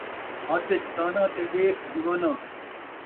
ہتھ ءِچ کاناں تے ݙیس دیواناں